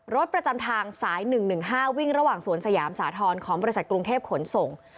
รถประจำทางสาย๑๑๕วิ่งระหว่างสวนสยามสาธรณ์ของบริษัทกรุงเทพขนส่ง